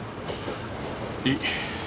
いい。